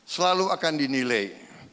selalu akan dinilai